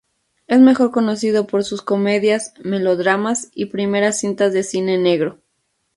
Es mejor conocido por sus comedias, melodramas y primeras cintas de cine negro.